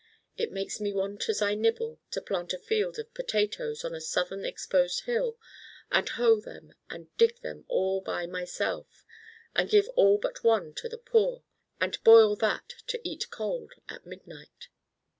It makes me want as I nibble to plant a field of potatoes on a southern exposed hill and hoe them and dig them all by myself: and give all but one to the poor and Boil that to eat Cold at midnight.